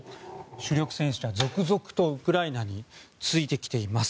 主力戦車、続々とウクライナに着いてきています。